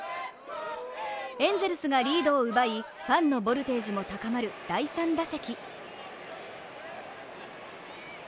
エンゼルスがリードを奪い、ファンのボルテージも高まる第３打席。